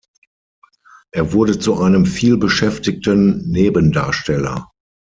Er wurde zu einem vielbeschäftigten Nebendarsteller.